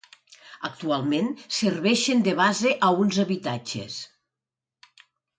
Actualment serveixen de base a uns habitatges.